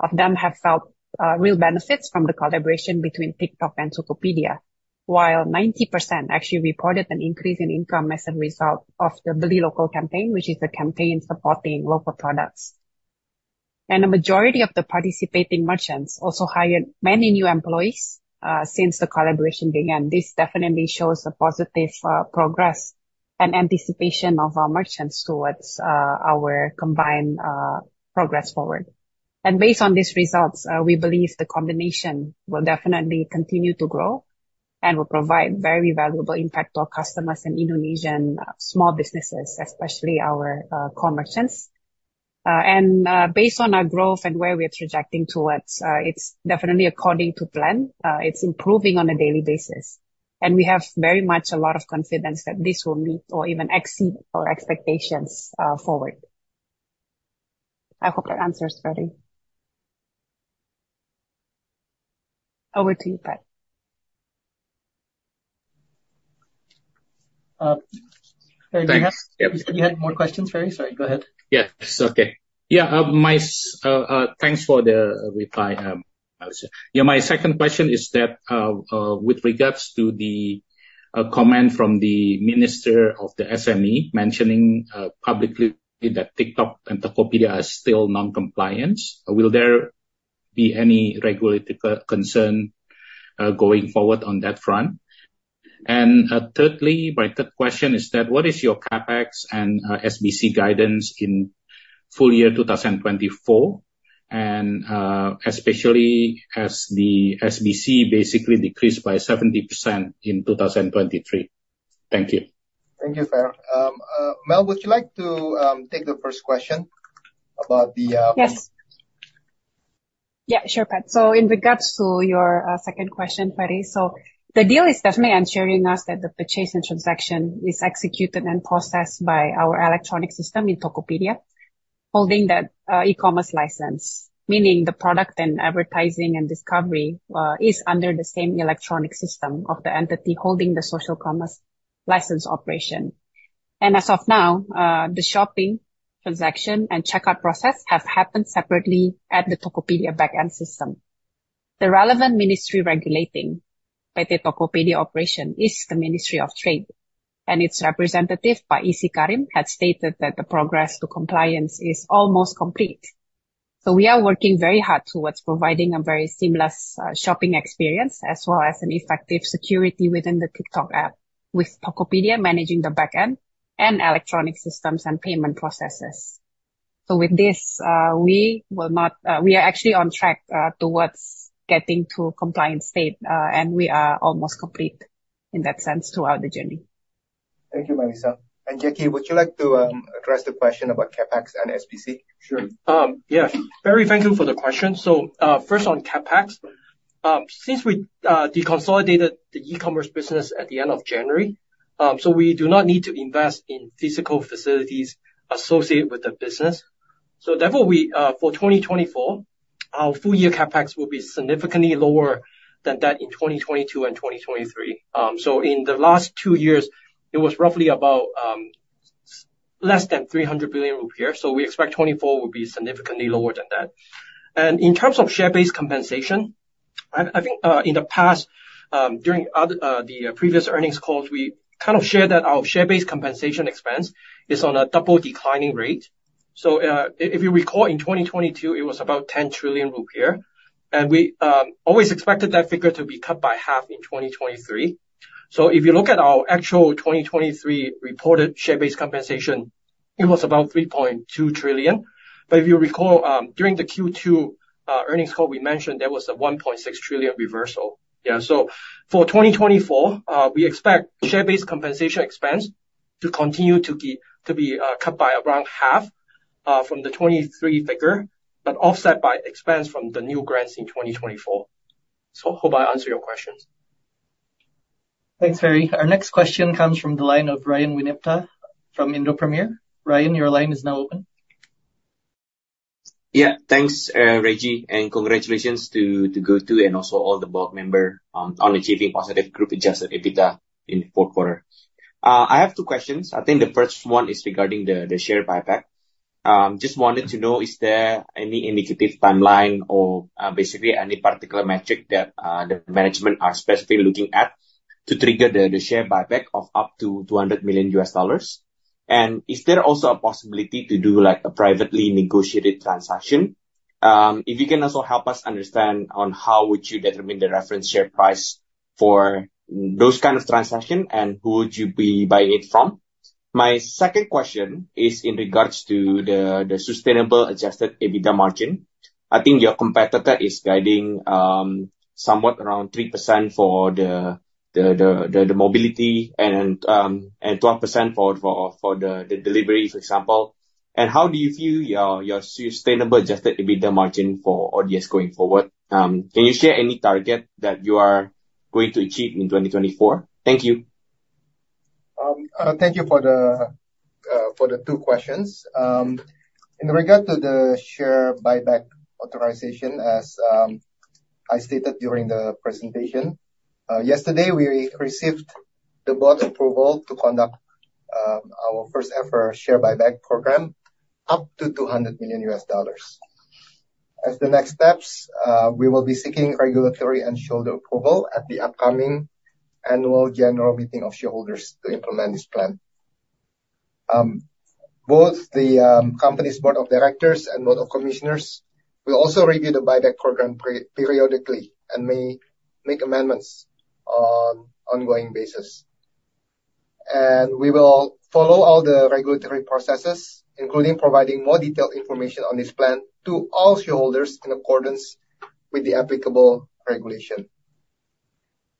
of them have felt real benefits from the collaboration between TikTok and Tokopedia, while 90% actually reported an increase in income as a result of the Beli Lokal campaign, which is a campaign supporting local products. A majority of the participating merchants also hired many new employees since the collaboration began. This definitely shows a positive progress and anticipation of our merchants towards our combined progress forward. Based on these results, we believe the combination will definitely continue to grow and will provide very valuable impact to our customers in Indonesian small businesses, especially our core merchants. And based on our growth and where we are trajecting towards, it's definitely according to plan. It's improving on a daily basis. And we have very much a lot of confidence that this will meet or even exceed our expectations forward. I hope I answered, Ferry. Over to you, Pat. Ferry, do you have? Thanks. You had more questions, Ferry? Sorry, go ahead. Yes. Okay. Yeah, thanks for the reply, Melissa. Yeah, my second question is that, with regards to the comment from the minister of the SME, mentioning publicly that TikTok and Tokopedia are still non-compliant, will there be any regulatory concern going forward on that front? And, thirdly, my third question is that what is your CapEx and SBC guidance in full year 2024, and especially as the SBC basically decreased by 70% in 2023. Thank you. Thank you, Ferry. Mel, would you like to take the first question about the. Yes. Yeah, sure, Pat. So in regards to your second question, Ferry, so the deal is definitely ensuring us that the purchase and transaction is executed and processed by our electronic system in Tokopedia, holding that e-commerce license, meaning the product and advertising and discovery is under the same electronic system of the entity holding the social commerce license operation. And as of now, the shopping, transaction, and checkout process have happened separately at the Tokopedia back-end system. The relevant ministry regulating by the Tokopedia operation is the Ministry of Trade, and its representative, Pak Isy Karim, had stated that the progress to compliance is almost complete. So we are working very hard towards providing a very seamless shopping experience as well as an effective security within the TikTok app, with Tokopedia managing the back end and electronic systems and payment processes. With this, we are actually on track towards getting to a compliant state, and we are almost complete in that sense throughout the journey. Thank you, Melissa. Jacky, would you like to address the question about CapEx and SBC? Sure. Yeah. Ferry, thank you for the question. So, first on CapEx. Since we deconsolidated the e-commerce business at the end of January, so we do not need to invest in physical facilities associated with the business. So therefore, for 2024, our full-year CapEx will be significantly lower than that in 2022 and 2023. So in the last two years, it was roughly about less than 300 billion rupiah. So we expect 2024 will be significantly lower than that. And in terms of share-based compensation, I think, in the past, during the previous earnings calls, we kind of shared that our share-based compensation expense is on a double declining rate. So, if you recall, in 2022, it was about 10 trillion rupiah, and we always expected that figure to be cut by half in 2023. So if you look at our actual 2023 reported share-based compensation, it was about 3.2 trillion. But if you recall, during the Q2 earnings call, we mentioned there was a 1.6 trillion reversal. Yeah, so for 2024, we expect share-based compensation expense to continue to be, to be, cut by around half, from the 2023 figure, but offset by expense from the new grants in 2024. So hope I answered your questions. Thanks, Ferry. Our next question comes from the line of Ryan Winipta from Indo Premier. Ryan, your line is now open. Yeah, thanks, Reggie, and congratulations to GoTo and also all the board member on achieving positive group adjusted EBITDA in the Q4. I have two questions. I think the first one is regarding the share buyback. Just wanted to know, is there any indicative timeline or basically any particular metric that the management are specifically looking at to trigger the share buyback of up to $200 million? And is there also a possibility to do, like, a privately negotiated transaction? If you can also help us understand on how would you determine the reference share price for those kind of transaction, and who would you be buying it from? My second question is in regards to the sustainable adjusted EBITDA margin. I think your competitor is guiding somewhat around 3% for the mobility and twelve percent for the delivery, for example. And how do you view your sustainable adjusted EBITDA margin for ODS going forward? Can you share any target that you are going to achieve in 2024? Thank you. Thank you for the two questions. In regard to the share buyback authorization, as I stated during the presentation yesterday, we received the board approval to conduct our first-ever share buyback program up to $200 million. As the next steps, we will be seeking regulatory and shareholder approval at the upcoming annual general meeting of shareholders to implement this plan. Both the company's board of directors and board of commissioners will also review the buyback program periodically, and may make amendments on ongoing basis. We will follow all the regulatory processes, including providing more detailed information on this plan to all shareholders in accordance with the applicable regulation.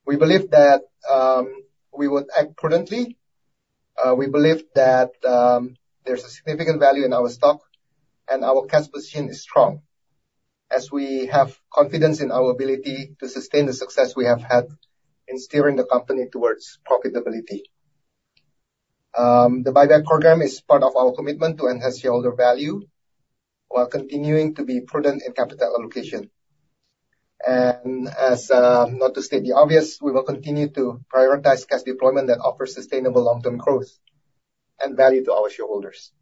We believe that we would act prudently. We believe that, there's a significant value in our stock, and our cash position is strong, as we have confidence in our ability to sustain the success we have had in steering the company towards profitability. The buyback program is part of our commitment to enhance shareholder value, while continuing to be prudent in capital allocation. And as, not to state the obvious, we will continue to prioritize cash deployment that offers sustainable long-term growth and value to our shareholders.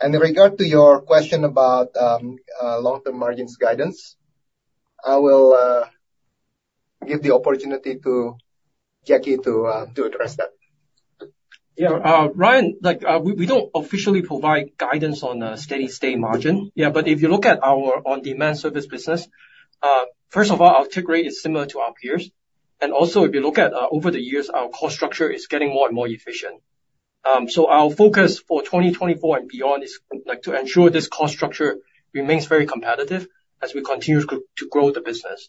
And in regard to your question about long-term margins guidance, I will give the opportunity to Jackie to to address that. Yeah, Ryan, like, we don't officially provide guidance on a steady-state margin. Yeah, but if you look at our on-demand service business, first of all, our take rate is similar to our peers. And also, if you look at over the years, our cost structure is getting more and more efficient. So our focus for 2024 and beyond is, like, to ensure this cost structure remains very competitive as we continue to grow the business.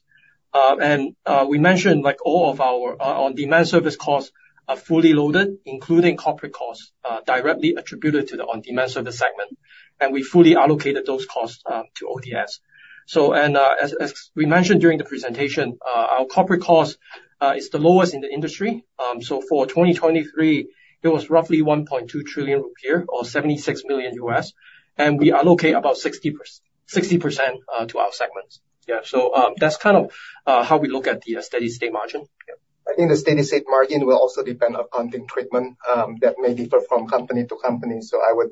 And we mentioned, like, all of our on-demand service costs are fully loaded, including corporate costs directly attributed to the on-demand service segment, and we fully allocated those costs to ODS. So, and as we mentioned during the presentation, our corporate cost is the lowest in the industry. So for 2023, it was roughly 1.2 trillion rupiah, or $76 million, and we allocate about 60% to our segments. Yeah, so, that's kind of how we look at the steady-state margin. Yeah. I think the steady-state margin will also depend on accounting treatment that may differ from company to company. So I would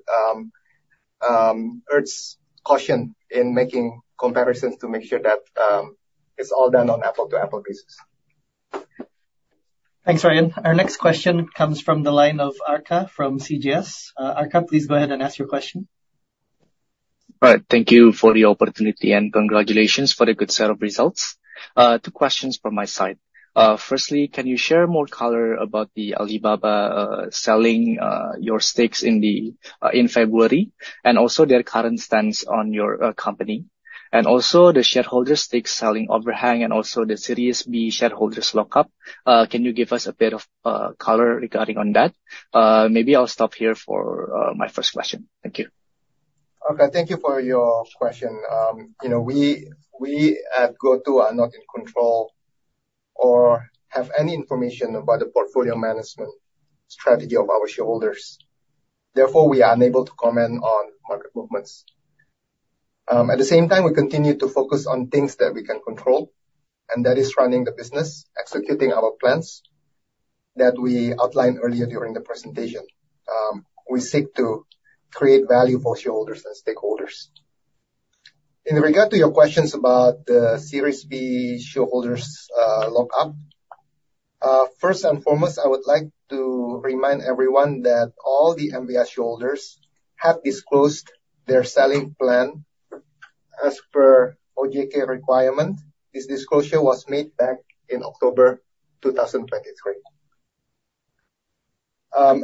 urge caution in making comparisons to make sure that it's all done on apples-to-apples basis. Thanks, Ryan. Our next question comes from the line of Arka from CJS. Arka, please go ahead and ask your question. All right. Thank you for the opportunity, and congratulations for the good set of results. Two questions from my side. First, can you share more color about the Alibaba selling your stakes in the in February, and also their current stance on your company? And also, the shareholder stakes selling overhang, and also the Series B shareholders lockup, can you give us a bit of color regarding on that? Maybe I'll stop here for my first question. Thank you. Okay, thank you for your question. You know, we at GoTo are not in control or have any information about the portfolio management strategy of our shareholders, therefore, we are unable to comment on market movements. At the same time, we continue to focus on things that we can control, and that is running the business, executing our plans that we outlined earlier during the presentation. We seek to create value for shareholders and stakeholders. In regard to your questions about the Series B shareholders lockup, first and foremost, I would like to remind everyone that all the MBI shareholders have disclosed their selling plan. As per OJK requirement, this disclosure was made back in October 2023.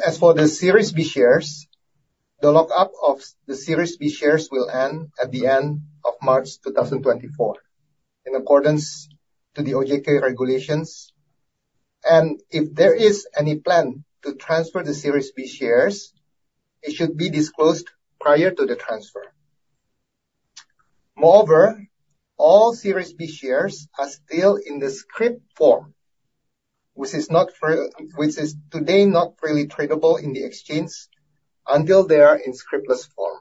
As for the Series B shares, the lockup of the Series B shares will end at the end of March 2024, in accordance to the OJK regulations. If there is any plan to transfer the Series B shares, it should be disclosed prior to the transfer. Moreover, all Series B shares are still in the scrip form, which is, today, not freely tradable in the exchange until they are in scripless form.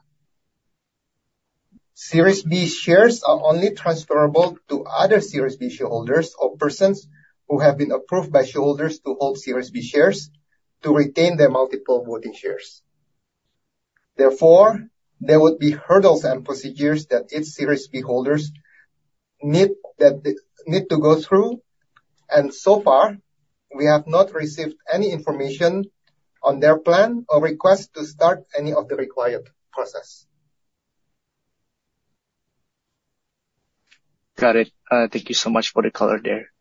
Series B shares are only transferable to other Series B shareholders or persons who have been approved by shareholders to hold Series B shares to retain their multiple voting shares. Therefore, there would be hurdles and procedures that each Series B holders need, that they need to go through, and so far, we have not received any information on their plan or request to start any of the required process. Got it. Thank you so much for the color there.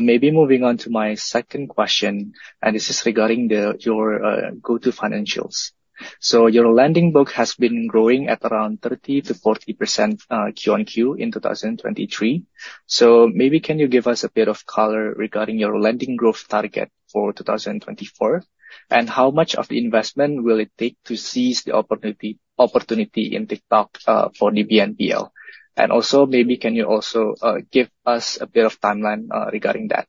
Maybe moving on to my second question, and this is regarding the, your, GoTo financials. So your lending book has been growing at around 30%-40%, Q on Q in 2023. So maybe can you give us a bit of color regarding your lending growth target for 2024? And how much of the investment will it take to seize the opportunity, opportunity in TikTok, for the BNPL? And also, maybe can you also, give us a bit of timeline, regarding that?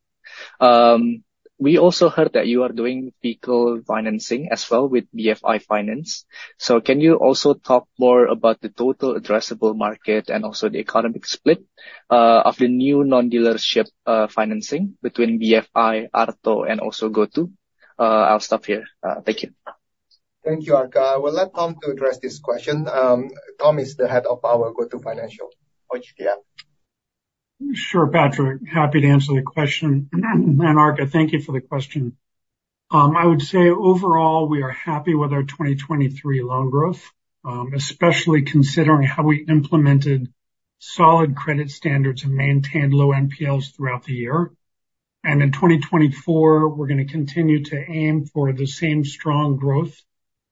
We also heard that you are doing vehicle financing as well with BFI Finance. So can you also talk more about the total addressable market and also the economic split, of the new non-dealership, financing between BFI, Arto, and also GoTo? I'll stop here. Thank you. Thank you, Arka. I will let Tom to address this question. Tom is the head of our GoTo Financial, which yeah. Sure, Patrick, happy to answer the question. And Arka, thank you for the question. I would say overall, we are happy with our 2023 loan growth, especially considering how we implemented solid credit standards and maintained low NPLs throughout the year. And in 2024, we're gonna continue to aim for the same strong growth,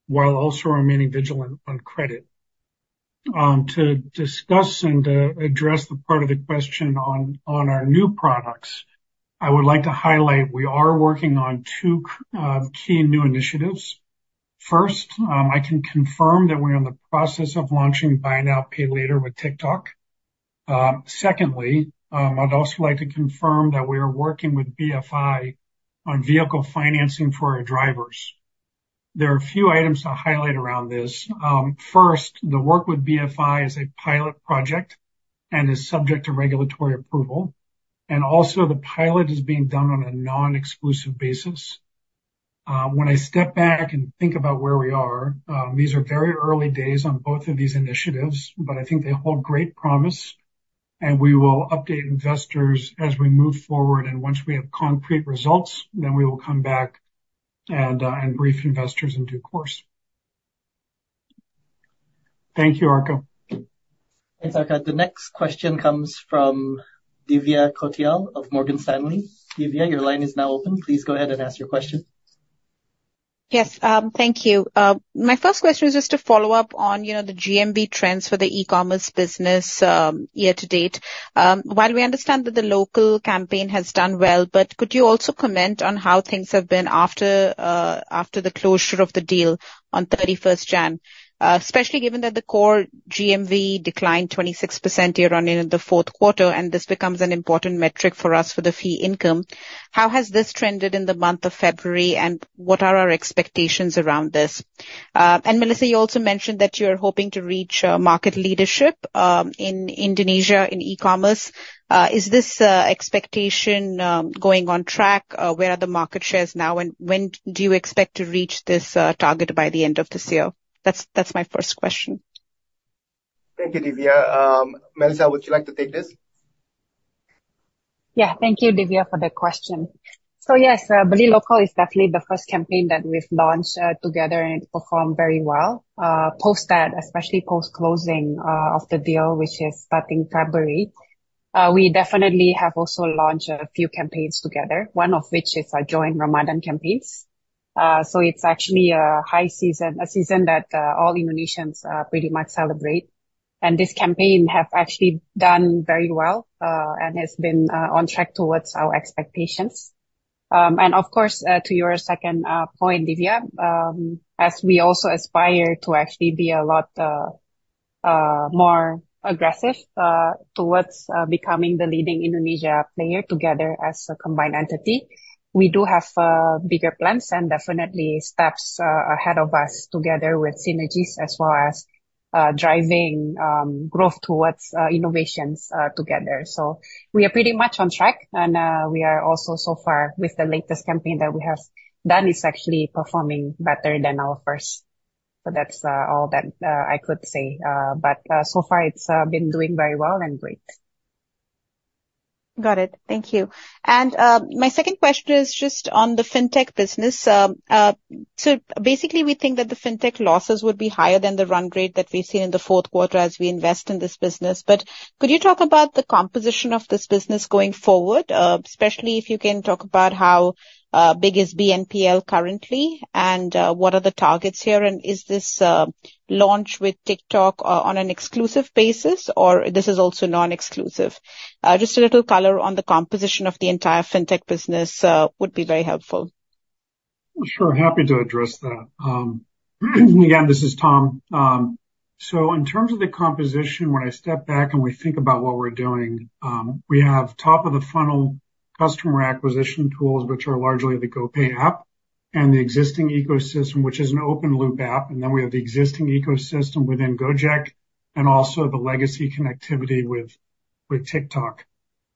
while also remaining vigilant on credit. To discuss and address the part of the question on our new products, I would like to highlight we are working on two key new initiatives. First, I can confirm that we're in the process of launching Buy Now, Pay Later with TikTok. Secondly, I'd also like to confirm that we are working with BFI on vehicle financing for our drivers. There are a few items to highlight around this. First, the work with BFI is a pilot project and is subject to regulatory approval, and also the pilot is being done on a non-exclusive basis. When I step back and think about where we are, these are very early days on both of these initiatives, but I think they hold great promise, and we will update investors as we move forward, and once we have concrete results, then we will come back and brief investors in due course. Thank you, Arka. Thanks, Arka. The next question comes from Divya Kothiyal of Morgan Stanley. Divya, your line is now open. Please go ahead and ask your question. Yes, thank you. My first question is just to follow up on, you know, the GMV trends for the e-commerce business, year to date. While we understand that the local campaign has done well, but could you also comment on how things have been after, after the closure of the deal on thirty-first January? Especially given that the core GMV declined 26% year-on-year in the Q4, and this becomes an important metric for us for the fee income. How has this trended in the month of February, and what are our expectations around this? And Melissa, you also mentioned that you're hoping to reach, market leadership, in Indonesia, in e-commerce. Is this, expectation, going on track? Where are the market shares now, and when do you expect to reach this target by the end of this year? That's, that's my first question. Thank you, Divya. Melissa, would you like to take this? Yeah. Thank you, Divya, for the question. So yes, Beli Lokal is definitely the first campaign that we've launched together, and it performed very well. Post that, especially post-closing of the deal, which is starting February, we definitely have also launched a few campaigns together, one of which is a joint Ramadan campaigns. So it's actually a high season, a season that all Indonesians pretty much celebrate. And this campaign have actually done very well, and has been on track towards our expectations. And of course, to your second point, Divya, as we also aspire to actually be a lot more aggressive towards becoming the leading Indonesia player together as a combined entity, we do have bigger plans and definitely steps ahead of us together with synergies as well as driving growth towards innovations together. So we are pretty much on track, and we are also, so far, with the latest campaign that we have done. It's actually performing better than our first. So that's all that I could say, but so far, it's been doing very well and great. Got it. Thank you. And, my second question is just on the fintech business. So basically, we think that the fintech losses would be higher than the run rate that we've seen in the Q4 as we invest in this business. But could you talk about the composition of this business going forward, especially if you can talk about how big is BNPL currently, and what are the targets here, and is this launch with TikTok on an exclusive basis, or this is also non-exclusive? Just a little color on the composition of the entire fintech business would be very helpful. Sure, happy to address that. Again, this is Tom. So in terms of the composition, when I step back and we think about what we're doing, we have top-of-the-funnel customer acquisition tools, which are largely the GoPay app, and the existing ecosystem, which is an open loop app, and then we have the existing ecosystem within Gojek and also the legacy connectivity with TikTok.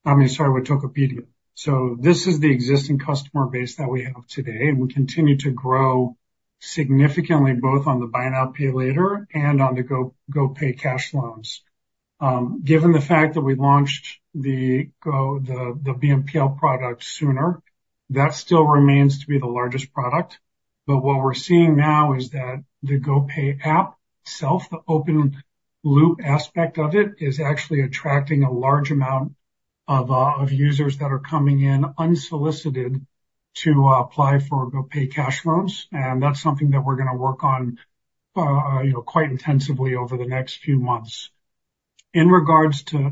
I mean, sorry, with Tokopedia. So this is the existing customer base that we have today, and we continue to grow significantly, both on the Buy Now, Pay Later and on the GoPay cash loans. Given the fact that we launched the BNPL product sooner, that still remains to be the largest product. But what we're seeing now is that the GoPay app itself, the open loop aspect of it, is actually attracting a large amount of, of users that are coming in unsolicited to apply for GoPay cash loans, and that's something that we're gonna work on, you know, quite intensively over the next few months. In regards to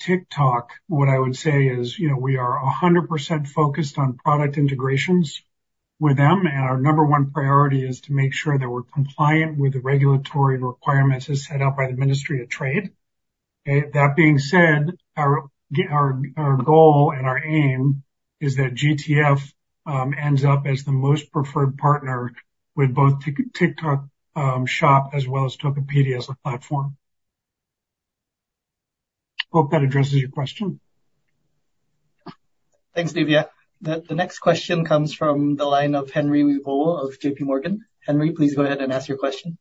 TikTok, what I would say is, you know, we are 100% focused on product integrations with them, and our number one priority is to make sure that we're compliant with the regulatory requirements as set out by the Ministry of Trade. And that being said, our goal and our aim is that JTF ends up as the most preferred partner with both TikTok shop, as well as Tokopedia as a platform. Hope that addresses your question. Thanks, Divya. The next question comes from the line of Henry Wibowo of J.P. Morgan. Henry, please go ahead and ask your question.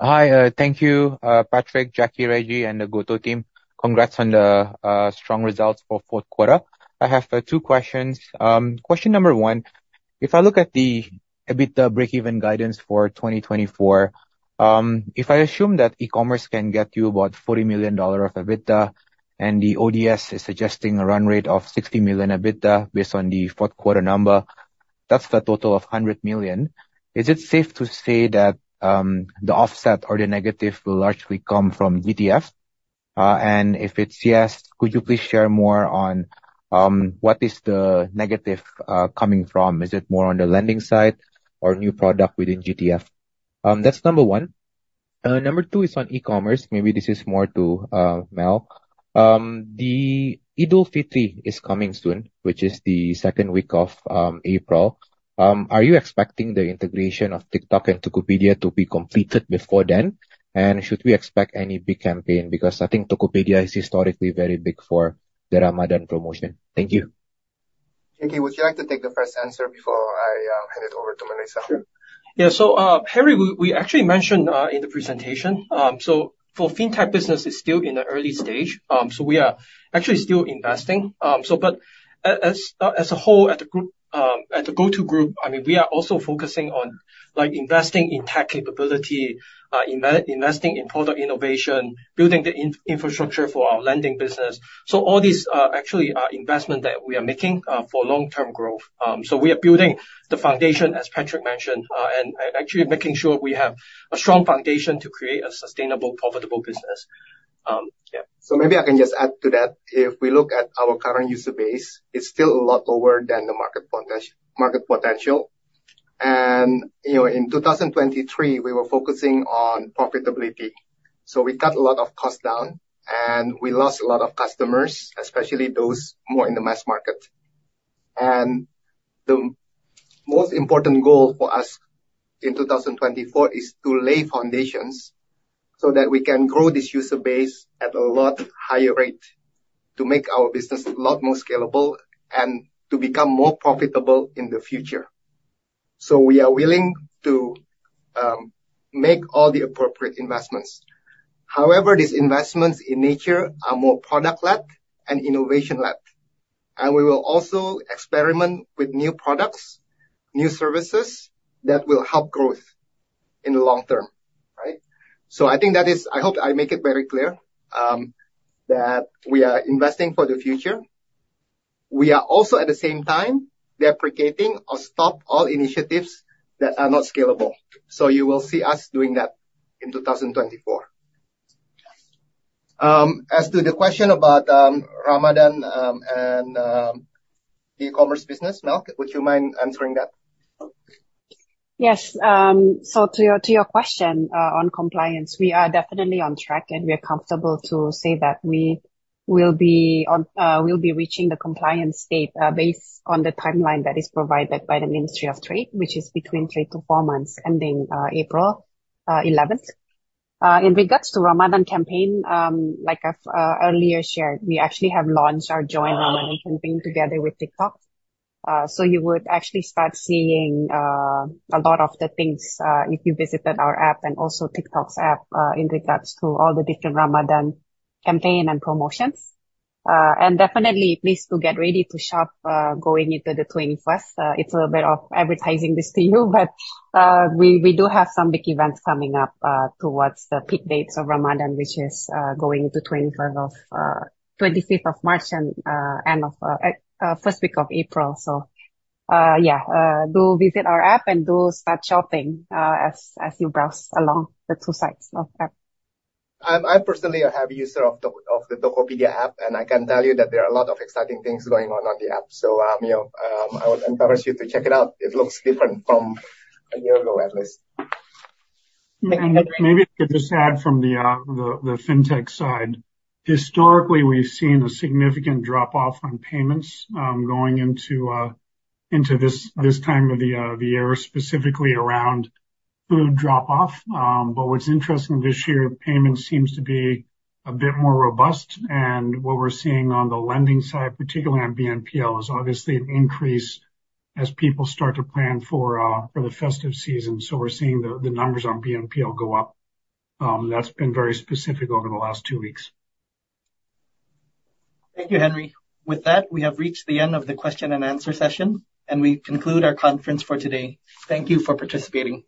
Hi, thank you, Patrick, Jackie, Reggie, and the GoTo team. Congrats on the strong results for Q4. I have two questions. Question number one, if I look at the EBITDA break-even guidance for 2024, if I assume that e-commerce can get you about $40 million of EBITDA, and the ODS is suggesting a run rate of $60 million EBITDA based on the Q4number, that's the total of $100 million. Is it safe to say that the offset or the negative will largely come from JTF? And if it's yes, could you please share more on what is the negative coming from? Is it more on the lending side or new product within JTF? That's number one. Number two is on e-commerce. Maybe this is more to Mel. The Idul Fitri is coming soon, which is the second week of April. Are you expecting the integration of TikTok and Tokopedia to be completed before then? And should we expect any big campaign? Because I think Tokopedia is historically very big for the Ramadan promotion. Thank you. Jacky, would you like to take the first answer before I hand it over to Melissa? Sure. Yeah. So, Harry, we actually mentioned in the presentation, so for fintech business, it's still in the early stage. So we are actually still investing. So but as, as a whole, at the group, at the GoTo Group, I mean, we are also focusing on, like, investing in tech capability, investing in product innovation, building the infrastructure for our lending business. So all these actually are investment that we are making for long-term growth. So we are building the foundation, as Patrick mentioned, and actually making sure we have a strong foundation to create a sustainable, profitable business. Yeah. So maybe I can just add to that. If we look at our current user base, it's still a lot lower than the market potential. And, you know, in 2023, we were focusing on profitability, so we cut a lot of costs down, and we lost a lot of customers, especially those more in the mass market. And the most important goal for us in 2024 is to lay foundations so that we can grow this user base at a lot higher rate, to make our business a lot more scalable and to become more profitable in the future. So we are willing to make all the appropriate investments. However, these investments in nature are more product-led and innovation-led, and we will also experiment with new products, new services, that will help growth in the long term, right? So I think that is... I hope I make it very clear that we are investing for the future. We are also, at the same time, deprecating or stop all initiatives that are not scalable. So you will see us doing that in 2024. As to the question about Ramadan and the e-commerce business, Mel, would you mind answering that? Yes. So to your question on compliance, we are definitely on track, and we are comfortable to say that we'll be reaching the compliance state, based on the timeline that is provided by the Ministry of Trade, which is between 3-4 months, ending April 11. In regards to Ramadan campaign, like I've earlier shared, we actually have launched our joint Ramadan campaign together with TikTok. So you would actually start seeing a lot of the things, if you visited our app and also TikTok's app, in regards to all the different Ramadan campaign and promotions. And definitely pleased to get ready to shop, going into the 21st. It's a bit of advertising this to you, but we do have some big events coming up towards the peak dates of Ramadan, which is going to 21st of 25th of March and end of first week of April. So, yeah, do visit our app, and do start shopping, as you browse along the two sites of app. I'm personally a heavy user of the Tokopedia app, and I can tell you that there are a lot of exciting things going on the app. So, you know, I would encourage you to check it out. It looks different from a year ago, at least. Thank you, Henry. With that, we have reached the end of the question and answer session, and we conclude our conference for today. Thank you for participating.